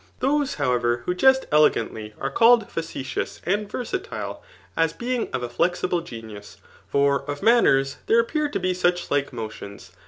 Those, however, who jest elegantly, are called facetious and versatile, as being of a flexible genius ; £x ef manners there appear to be such like motions.